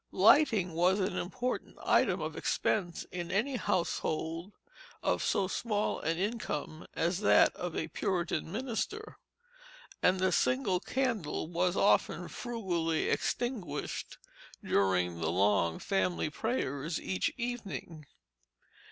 Lighting was an important item of expense in any household of so small an income as that of a Puritan minister; and the single candle was often frugally extinguished during the long family prayers each evening.